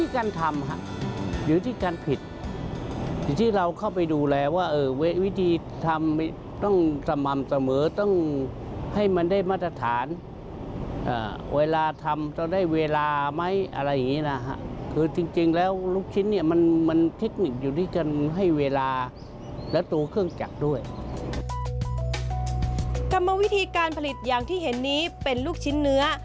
กรรมวิธีการผลิตอย่างที่เห็นนี้เป็นลูกชิ้นเนื้อ